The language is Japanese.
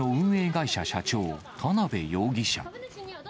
会社社長、田辺容疑者。